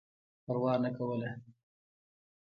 پروا نه کوله.